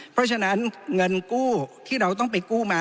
เพราะฉะนั้นเงินกู้ที่เราต้องไปกู้มา